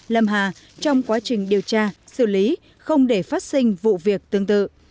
lâm hà trong quá trình điều tra xử lý không để phát sinh vụ việc tương tự